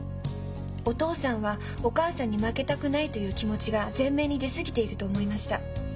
お父さんはお母さんに負けたくないという気持ちが前面に出過ぎていると思いました。